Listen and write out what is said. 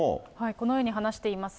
このように話しています。